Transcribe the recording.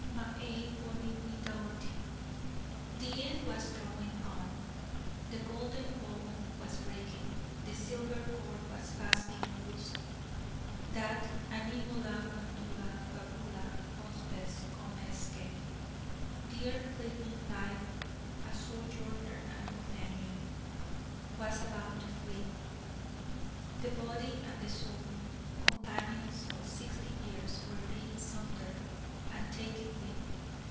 "Ma ain bonnie wee dawtie!" The end was drawing on: the golden bowl was breaking; the silver cord was fast being loosed that animula blandula, vagula, hospes, comesque (dear fleeting life, a sojourner and companion) was about to flee. The body and the soul companions for sixty years were being sundered, and taking leave.